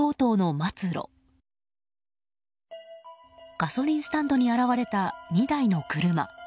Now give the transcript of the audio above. ガソリンスタンドに現れた２台の車。